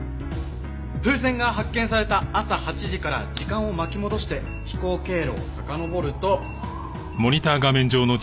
風船が発見された朝８時から時間を巻き戻して飛行経路をさかのぼると。